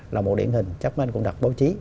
là một điện hình chắc mình cũng đặt báo chí